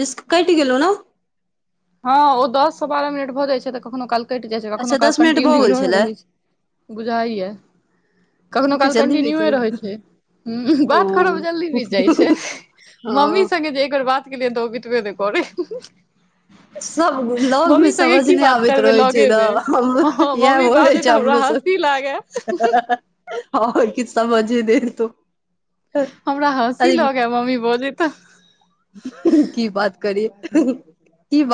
Disc cat गेलौ नै। हां ओ दस से बारह मिनट भऽ जाय छै तऽ कखनो काल कैट जाय छै अच्छा कखनो काल दस मिनट भऽ कन्टिन्यू गेल रहे छलै रहै छै बुझाय या। कखनो एते काल जल्दी बीत कन्टिन्यूए रहै गेल छै ह्म्म ओ बात करब जल्दी बीत जाय छै। मम्मी हँ संगे जे एक बेर बात केलियैन तऽ ओ बीतबे नै करै। सब लग मे मम्मी संगे समझ की नहि बात आबैत करबे रहै छै लगे ने मे, हमरो हां इएह मम्मी होइ बाजे छै त हमरा हँसी ई लागै। हां किछ समझे नै एतौ। हमरा हँसी अरे लगे मम्मी बजे तऽ। की बात करिये।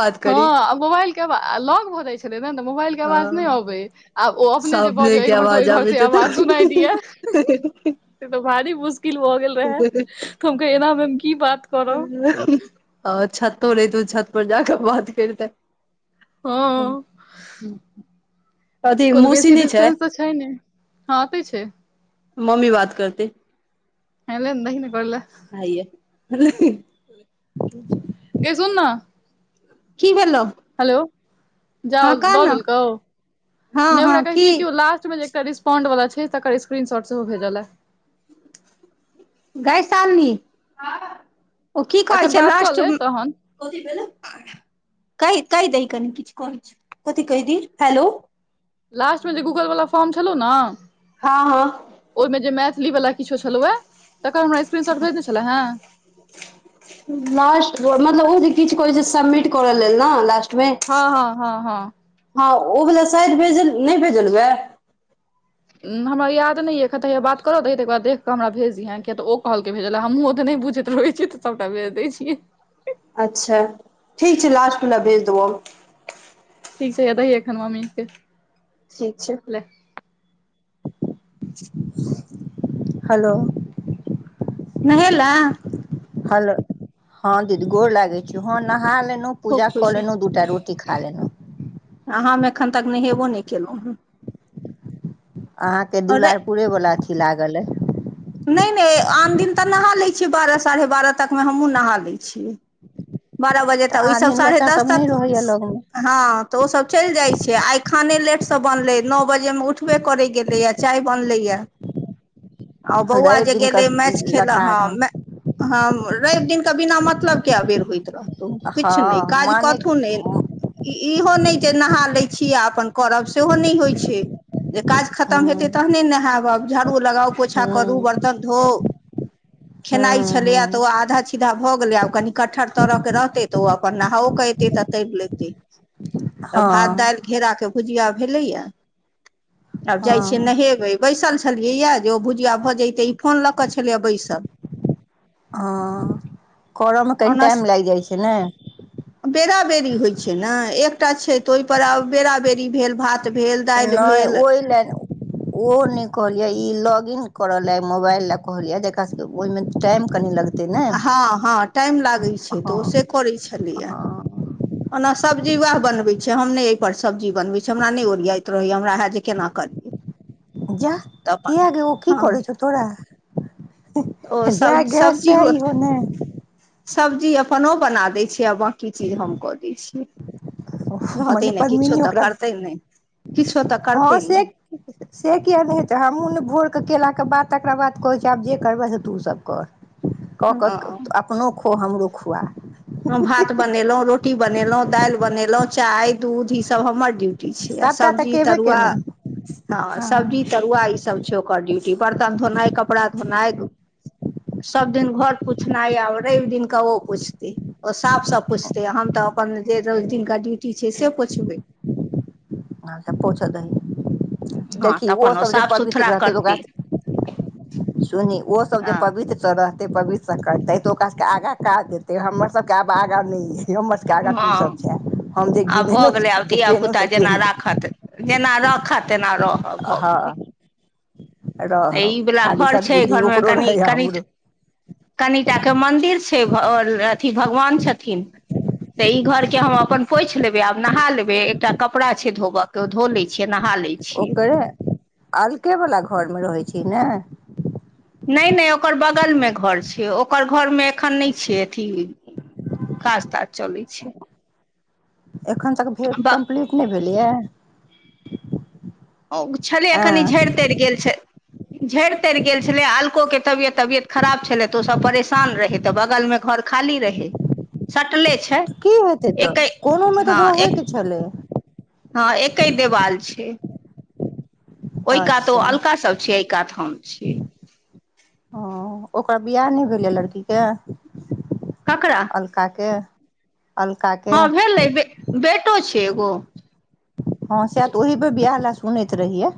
बात हां करी आ मुबाएल के अवा आ लग भऽ जाय छलै नै तऽ मुबाएल के अवाज नै हँ अबै। आ ओ अपने जे सामने बाजे ए के घर से ओय आवाज घर से आबैत हेतौ अवाज सुनाए दिया से ते भारी मुस किल भऽ गेल रहै त हम कहि एना मे हम की बात करब आ छतो रहै ते उ छत पर जाके बात कैरते। हां। अथी कोनो मौसी बेसी नहि डिस्टेंस तऽ छै नै हां एतै छै। मम्मी बात करतै। हेले ने दहि नै गोर ले हैया हेले ने गे। गे सुन ना। की भेलौ। हेलो हँ जाउ कह दऽ ने देलकौ हँ नै ओकरा हँ की कहतियै कि ओ लास्ट मे जे के रिस्पोंड वला छै, तकर स्क्रीनशॉट सेहो भेजालै। गै शालनी, हां। ओ की कहै एखन छै बात कऽ लास्ट ले उम्म तहन [unintelligible] कही कैह दहि कनि किछ कहै छो, कथी कैह दी हेलौ। लास्ट मे जे गूगल वला फॉर्म छलौ नै। हां-हां। ली वला किछो छलौ ए। तकर हमरा स्क्रीनशॉट भेजने छले हेँ लास्ट मतलब उ जे किछ कहै छै सबमिट करऽ लेल ना लास्ट मे हां-हां-हां-हां। उ बला शायद भेजे नै भेजल वाए। उम्म हमरा याद नै या एखन ते हे या बात करे दहि तै के बाद देख क हमरा भेज दिहा किया तऽ ओ कहलके भेजैले हमु ओतने बु झेत रहै छी तऽ सबटा भेज दै छी। अच्छा, ठीक छै लास्टवला भेज देबौ। ठीक छै हे या दहि एखन मम्मी के। ठीक छै। ले हेलो। नहैला। हेलो हां दीदी गोर लागै छीयो, हां नहा लेलु, खूब पूजा कऽ खुश ह लेलु दूटा रो टी खा लेलु। आ हम एखन तक नहेबो नहि केलहुँ हेँ अहाँके दुलारपुरेवला अथी लागल अइ नहि नहि आन दिन तऽ नहा लैत छियै बारह साढ़े बारह तकमे हमहूँ नहा लैत छियै। बारह बजे तऽ तक ई आन सब दिन साढ़े बच्चा दस सब तक नहि रहैया लगमे हँ तऽ ओ सब चलि जाइ छै आई खाने लेटसँ बनलै नओ बजेमे उठबे करै गेलैए चाय बनलैए आ ओ बौआ रवि जे दिन के गेलै मैच खेलऽ हँ लटार हम मै हं रवि दिन क बिना मतलब के अबेर होइत रहतौ हँ किछु नहि काज मानेक कथु नहि हूँ इइ इहो नहि जे नहा लैत छी आ अपन करब सेहो नहि होइ छै जे काज खतम हेतै हूँ तहने नहैब अब। डू लगाउ, पोंछा करूं, हूँ बरतन धोऊ, खेनाई छलैए तो ओ हूँ आधा छि धा भऽ गेलै आब कनि कठहर तरह के रहतै तऽ ओ अपन नहाओ के एतै तऽ तरि लेतै तऽ भात हँ दालि घेराके भुजिया भेलैए आब जाइ छियै हँ नहेबै बैसल छे छलियैए जे ओ भुजिया भऽ जइतै ई फोन लऽ कऽ छलैए बैसल ओ करयमे कनि ओना टाइम लागि जाइ छै ने। छैने एकटा छै तऽ ओहि पर आब बेरा बेरी भेल भात भेल दालि नहि भेल ओहि ले ओ नहि कहलियै ई लॉग-इन करऽ ले ई मोबाइल लए कहलियए जे एकरा सबके ओहिमे टाइम कनी लग हँ हँ टाइम लागै छै तऽ हँ ओ से करै छलैये हँ ओना सब्जी उएह बनबै छै हम नहि एहिपर सब्जी बनबै छीै हमरा नहि ओरियाइत रहैए हमरा हैत जे केना करियै। जा तऽ अपन कियै गै ओ की हँ करइ छौ तोरा? ओ हेह जैह सब गैस सब्जी सैह इहो नै सब्जी अपन ओ बना दैत छैै आ बाँकी चीज हम कऽ दैत छियै ओ मने रहतै ने किछो पद्मीनी तऽ ओकरा करतै नहि किछो तऽ करतै हँ ने से से किए नहि हेतै हमहूँ ने भोरके केलाके बाद तकरा बाद कहै छीयै आब जे करबैं से तू सब कर कऽ कऽ अपनो खो हमरो खुआ हम भात बनेलहुँ रोटी बनेलहुँ दालि बनेलहुँ चाय, दूध ईसभ हमर ड्यूटी छै आ सभटा तऽ सब्जी, केबे तरुआ केलहुँ हँ सब्जी तरुआ ई सब छै छै ओकर ड्यूटी बर्तन धोनाइ, कपड़ा धोनाइ सब दिन घर पोछनाइ आ रवि दिन क ओ पोछतइ ओ साफसँ पोछतै आ हम तऽ अपन जे रोज दिनका ड्यूटी छै से पोछबै आंचछा पोछ दही हँ देखही तऽ ओ अपन सब जे साफ पवित्र सुथरा रहतै तऽ ओकरा करतै सब सुनही ओ सब जे हँ पवित्रस रहतै पवित्रस करतै तो ओकरा सबके आगा काज देतै हमर सब के आब आगा नै ऐ। हमर सबके आगा तू हँ सब छैं हम जे आब भऽ घिनेलहुँ गेलै आब जे धिया केनउं पुता से जेना केनउं राखत जेना रखत तेना रहब भऽ हँ गेलइ। तो रहब ई वला खाली घर छै सदबुद्धि घर मे ओकरो कनि रहै कनि हमरो टा कनि टा के मंन्दिर छै छै ओ अथी भगवान छथिन तऽ ई घरके हम अपन पोछि लेबै आब नहा लेबै एकटा कपड़ा छै धोब के ओ धो लै छियै ना ओकरे अलकेवला घरमे रहै छी ने? नहि नहि ओकर बगलमे घर छै ओकर घरमे एखन नहि छै अथी काज ताज चलै छै एखन तक भे कम्प्लीट नहि भेलैए? ओ छलैये कनि झड़ि तरि गेल छै झड़ि तरि गेल छलै आ अलकोके तबियत तबियत खराब छलै तऽ ओसभ परेशान रहै तऽ बगलमे घर खाली रहै, सटले छै। तऽ की हेतै तऽ, एके कोनो में तऽ हँ एक रहेके छलै। हँ, एके देवाल छै। ओहि कात ओ अच्छा अलका सभ छियै, एहि कात हम छियै। ह ओकर वियाह नहि भेलए लड़कीके। ककरा अलकाके। हँ भेलै बे, बेटो छै एगो। हँ सेह तऽ ओहिबे बियाह लए सुनैत रहियै।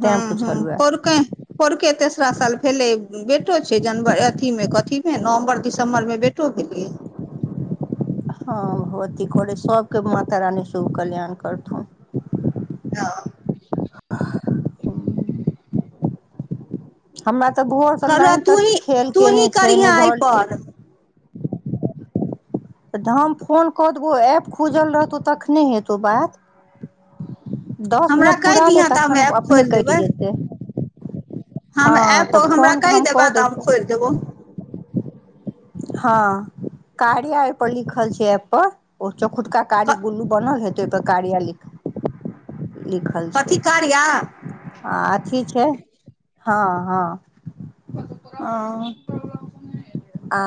हूं, तैं हूं पुछलहुए पौंरके, पौंरके तै। दोसरा साल भेलै, बेटो छै जनवर अथी में, कथीमें नवम्बर-दिसम्बरमें बेटो भेलै। [unintelligible] हँ भगवती करै, सभके माता रानी शुभ कल्याण करथुन। हँ। [inaudible] हमरा तऽ भोर से कहलहुँ लाइन तत्त तूही खेल तूही कने छै, करिहेँ ने भौलटे। एहिपर तऽ हम फोन कऽ देबौ, ऐप खुजल रहतौ तखने हेतौ बात। दस हमरा मिनट कहि पूरा ले दिहेँ तऽ हम तखन ऐप अपने खोलि कटि देबै जेतै। हम हँ तऽ ऐपओ, हमरा फोन कहि हम कऽ देबै तऽ हम खोलि देब देबौ। हँ, कार्या ओय पर लिखल छै, एप पर। चौखुटका क कारी-बुल्लू बनल हेतै, ओहिपर कार्या लि। कथी कार्या। आ अथी छै, हँ हँ। ओऽ। आ।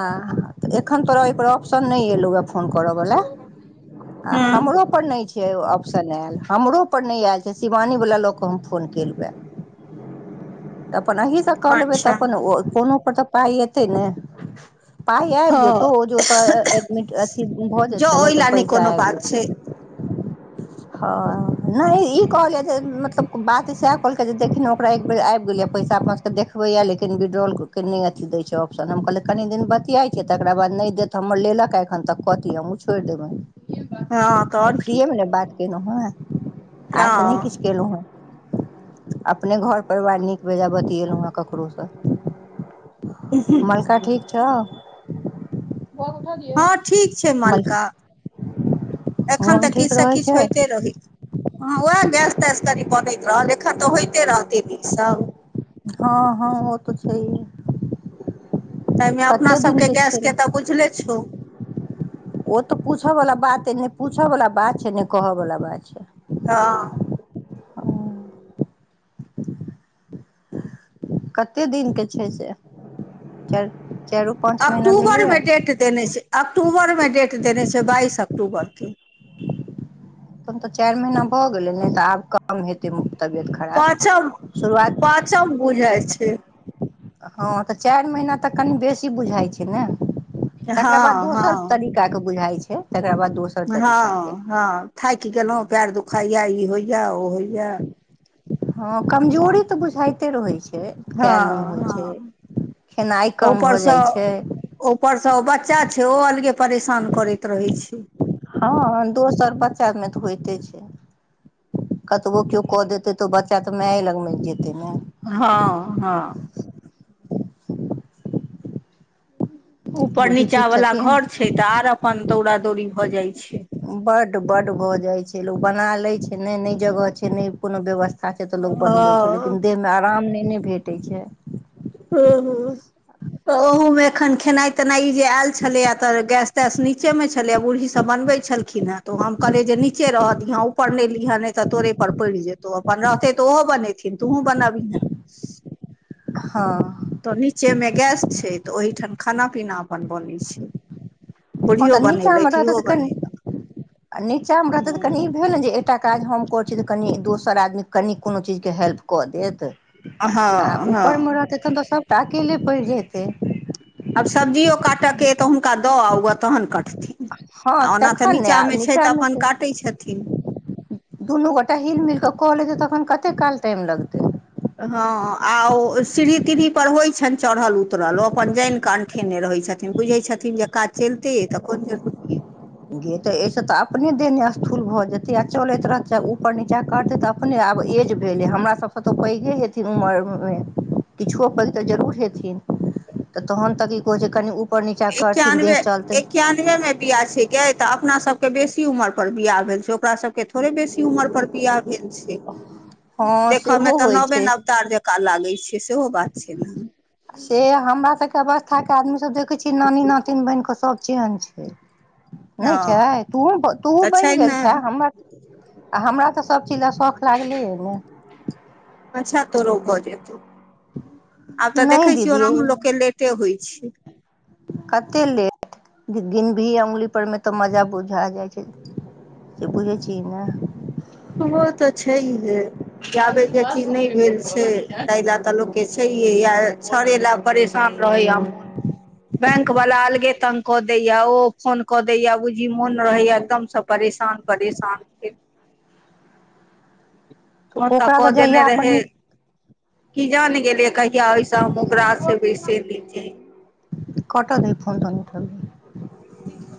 एखन तोरा ओयपर ऑप्शन नहि एलहुए फोन करऽ वाला आ हमरो हूँ पर नहि। छै ऑप्शन आयल, हमरो पर नहि आयल छै, शिवानीवला लँ के हम फोन केलू हें। त अपन अहीसँ कऽ लेबै तऽ अच्छा अपन कोनो पर तऽ पाइ एतै ने। [inaudible] पाइ आबि जेतौ, हँ ओ जो ओतऽ एडमिट अथी भऽ जँ जेतै ने ओहि तऽ लए नहि पैसा कोनो आबि बात जेतै। [unintelligible] हँ नहि ई कहलियै, जे मतलब बात सएह कहलकै जे देखिन ने ओकरा एक बेर आबि गेलै। पैसा अपना सबके देखबैय लेकिन विड्रॉल के अथि दै छै ऑप्शन, हम कहल। कनि दिन बतियाइ छीयै, तकरा बाद नहि देत हमर लेलक एखन तक कथि, हमूँ छोड़ि देबैन। हँ तऽ आऔर की। केलहुँ हेँ, आर तऽ नहि किछु हँ केलहु हेँ। अपने घर परिवार नीक- बेजाय बतिएलहुँ हेँ, ककरोसँ। मलका ठीक छौ। हँ ठीक छै मल मलका, एखन मोन तऽ किछ ठीक से रहै किछ छै होइत। ते रहै। हँ उएह गैस-तैस कनि बनैत रहल, एखन तऽ होइते रहते ने ई सब। हँ हँ ओ तऽ छैए। तइमें अपना दिन सबके गैस के छै तऽ बुझले छौ। ओ तऽ पूछअ वला बात छै, ने पूछअ वाला बात छै नहि कहय बला बात छै। हँ कते दिन के। छै से, चाइर, चाइरो पाँच महीना भेलैए। अक्टूबर मे डेट देने छैय बाइस अक्टूबर के। तब तऽ चाइर महीना भऽ गेलै नै तऽ आब कम हेतै। तबियत खराब पाँचम शुरुआत पाँचम बुझाइ छै हँ तऽ चाइर महीना तक कनि बेसी बुझाइ छैय ने। तकरा बाद हँ दोसर हँ तरीका के बुझाइ छैय। हँ हँ थाइक गेलहुँ पएर दुखाइए ई होइए ओ होइए। हँ कमजोरी तऽ बुझाइते रहैत छैय। हँ हँ। खेनाइ कम भऽ ऊपरसँ जाइ छै ऊपरसँ उ बच्चा सेहो अलगे परेशान करैत रहै छैय। हँ दोसर बच्चामे तऽ होइते छैय। कतवो क्यो कऽ देते तो बच्चा तऽ मैंए लगमे जेते ने। हँ हँ। ऊपर बूढ़ी नीचा ठीक वाला छथिन घर छैय तऽ आर अपन दौरा दौरी भऽ जाय छैय। बड्ड बड भऽ जाइत छैय लोक बना लैत छैय नै नै जगह छैय नै कोनो व्यवस्था छैय तऽ लोक बनबै छैय लेकिन देहमे आराम नहि ने भेटै छैय। ह ह। तऽ ओहमे एखन खेनाइ तेनाई जे आयल छलैय तऽ गैस तैस नीचे मे छलै बूढ़ी सब ब बनबे छलखिन हे तो हम कहले जे नीचे रह दीहे ऊपर ने लीहे नहि तऽ तोरे पर पड़ि जेतौ अपन रह। तऽ ओहो बनेथिन तूहूँ बनबयें। हँ। तऽ नीचेमे गैस छैय तऽ ओहीठाम खाना पीना अपन बनैत छैय। हँ तऽ नीचामे रहतै तऽ कनि नीचामे रहतै तऽ कनि हँ भेल ने जे एकटा काज हम करै छी तऽ कनि दोसर आदमी कनि कोनो चीजके हेल्प कऽ देत। आ हँ ऊपरमे हँ रहतै तखन तऽ सभटा अकेले पैड़ जेतै। आब सब्जियो काटयके तऽ हुनका दऽ आ ओ तखन कटतै। हँ आ ओना तऽ तखन ने नीचामे आ छैय तऽ नीचाँमे अपन छै काटै छथिन। दुनू गोटा हिल मिल कऽ लेते तखन कते काल टाइम लगतै। हँ आ ओ सीढ़ी तीढ़ी पर होइ छनि चढ़ल उतरल ओ अपन जानि क अंठेने रह होइ छथिन बुझै छथिन जे काज चलते तऽ कोन जरूरी। ने स्थूल भऽ जेतै आ चलैत रहत ऊपर नीचाँ करतै तऽ अपने आब एज भेलै हमरा सब कतहु पैघे हेथिन उमरमे किछुओ पैघ तऽ जरूर हेथिन। तऽ तहन तऽ की कहै छैय कनि ऊपर नीचाँ करथिन देह चलतै। के त अपना सब के बेसी उमर पर बियाह भेल छैय, ओकरा सब के थोड़े बेसी उमर पर बियाह हँ [unintelligible] देखऽ में सेहो तऽ होइ नवे छै नवतार जकाँ लागे छैय। से हमरा सबके बस कथा के आदमी सब देखे छियै नानी नातिन बन क सब चेन छैय। ने हँ छैय तो तऽ छै बनि गेल ने छ हमर आ हमरा तऽ सभचीज लए शौख लागलैए ने अच्छा तोरो भ जेतौ आब तऽ नहि देखे छियौ दीदी ओनाहु लो के लेटे होइ [inaudible] कतेक लेट गिन भी अंगुलीपरमे तऽ मजा बुझा जाइ छैय। से बुझै छिये ने। ओ तऽ छैय हे। जाबे फालतू जे बात चीज नहि सुनबे भेल करऽ लगै छै छैयताहि लए तऽ लोकके छैेय आ ऑडियो छड़े ल रिकॉर्ड होइ छै परेशान [unintelligible] बैंक अले तंग क दैए, ओ फोन कऽ दैए, बुझी मोन रहैए एकदमसँ परेशान- परेशान भेल। ओ तऽ ओकरा कऽ देने जहिया अपन रहे नीक की जान गेलियै कहिया स्कु कहिया हम उगरासग हेबै से नही कैह।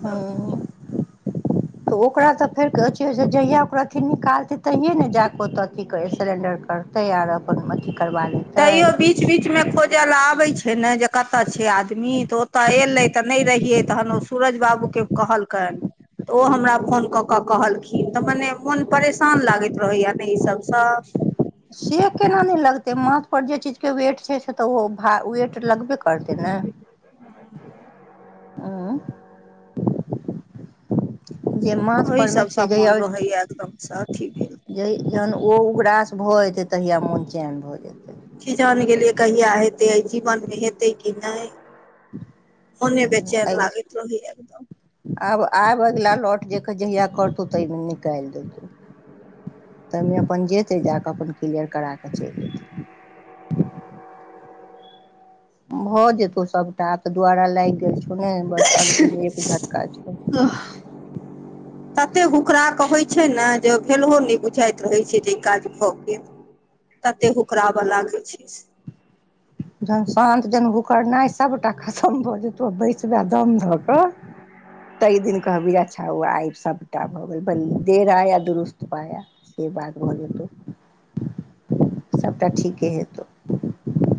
हम तऽ ओकरा तऽ फेर जहिया ओकरा अथि निकालते। तहिए ने जाकऽ ओतऽ अथी कर सिलेण्डर करतै, आर अपन अथी करबा लेतै। मे [unintelligible] ल आबे छै ने, जे कतऽ छै आदमी! तऽओतऽ एलै तऽ नहि रहियै, तहन ओ सूरज बाबू कहलकैन तऽ ओ हमरा फोन क के कहलखिन, तऽ मने मोन परेशान लागेत रहैया त ई सबसँ से केना नहि लगतै, माथ परर जे चीजके वेट छै, से तऽ ओ वेट लगबे कर आइ त ने, उ जे माछ ओहि पर मे नै सबसँ मोन छै, रहैया एकदमसँ अथी भेल जहन ओ उगरास भ जेतै, तहिया मोन चैन भऽ जेतै। की जान गेलियै कहिया हेतै, अइ जीवन मे हेतै कि नै? मोने बेचैन आगि लागैत रहै ह एकदम! आब आब अगिला लौट ज क जहिया करतौ, ताहिमे निकालि देतौ। तऽ ओहिमे अपन जेतै, जा कऽ अपन क्लियर करा कऽ चलि जेयतै। [unintelligible] भऽ जेतौ सभटा, तऽ दुआरा लागि गेल छौ। सु ने बस अन्तिम एक झटका छो। तते हुकरा के होैइ छै ने, जे भेलहो नहि बुझाइत रहै छै जे ई काज भऽ गेल। ततेक हुकरावलागे छै। जहन शान्त जहन हुकरनाइ पूरा दम ध क। तहि दिन कहबी, अच्छा! ओ आइ सबटा भऽ गेल, बंद देर आया दुरुस्त पया। बात भऽ जेतौ। [unintelligible] सभटा ठीके हेतौ [inaudible]